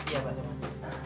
iya pak somad